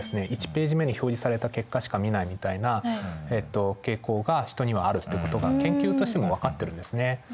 １ページ目に表示された結果しか見ないみたいな傾向が人にはあるってことが研究としても分かってるんですね。